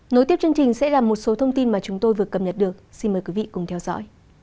nối tiếp chương trình sẽ là một số thông tin mà chúng tôi vừa cập nhật được xin mời quý vị cùng theo dõi